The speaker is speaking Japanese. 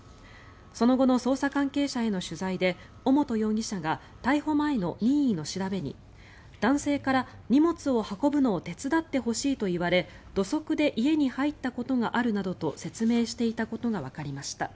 その後の捜査関係者への取材で尾本容疑者が逮捕前の任意の調べに男性から荷物を運ぶのを手伝ってほしいと言われ土足で家に入ったことがあるなどと説明していたことがわかりました。